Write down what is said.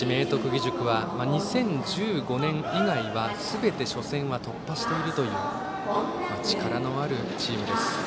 義塾は２０１５年以外はすべて初戦は突破しているという力のあるチームです。